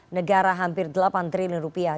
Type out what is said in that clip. negara hampir delapan triliun rupiah